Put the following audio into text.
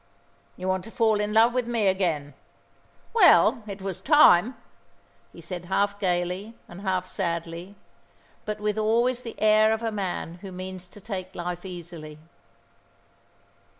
"You want to fall in love with me again? Well, it was time," he said, half gaily and half sadly; but with always the air of a man who means to take life easily.